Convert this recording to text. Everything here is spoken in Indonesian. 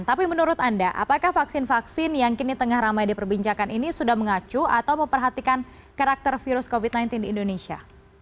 tapi menurut anda apakah vaksin vaksin yang kini tengah ramai diperbincangkan ini sudah mengacu atau memperhatikan karakter virus covid sembilan belas di indonesia